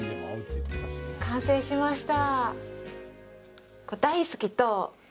完成しました。